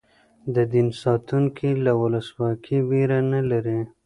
د دین ساتونکي له ولسواکۍ وېره نه لري.